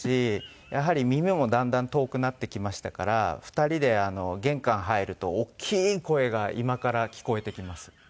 やはり耳もだんだん遠くなってきましたから２人であの玄関入ると大きい声が居間から聞こえてきます。